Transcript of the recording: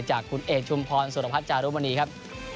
จากคุณเอกชุมพรสุรพัฒนจารุมณีครับ